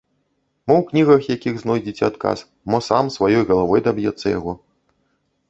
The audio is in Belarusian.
Мо ў кнігах якіх знойдзе адказ, мо сам, сваёй галавой даб'ецца яго.